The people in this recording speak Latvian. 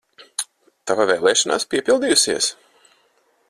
Tava vēlēšanās piepildījusies!